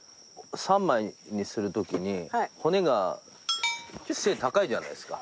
三枚にする時に骨が背高いじゃないですか。